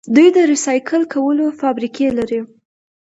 دوی د ریسایکل کولو فابریکې لري.